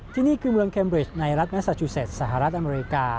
ที่นี่คือเมืองเคมริชในรัฐเมซาจูเซตสหรัฐอเมริกา